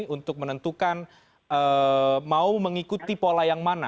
untuk menentukan mau mengikuti pola yang mana